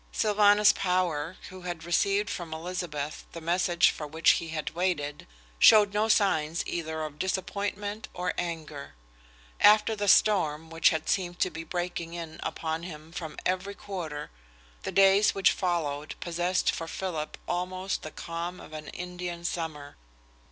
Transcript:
Sylvanus Power, who had received from Elizabeth the message for which he had waited, showed no sign either of disappointment or anger. After the storm which had seemed to be breaking in upon him from every quarter, the days which followed possessed for Philip almost the calm of an Indian summer.